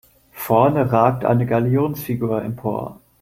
Vorne ragt eine Galionsfigur empor.